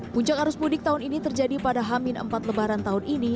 puncak arus mudik tahun ini terjadi pada hamin empat lebaran tahun ini